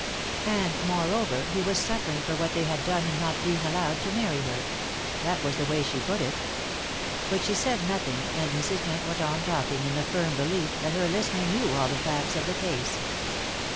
And, moreover, he was suffering for what they had done in not being allowed to marry her; that was the way she put it. But she said nothing, and Mrs. Jent went on talking in the firm belief that her listener knew all the facts of the case.